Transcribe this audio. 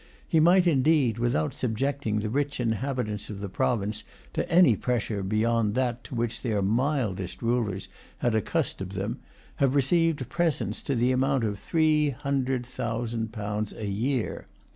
He might indeed, without subjecting the rich inhabitants of the province to any pressure beyond that to which their mildest rulers had accustomed them, have received presents to the amount of three hundred thousand pounds a year.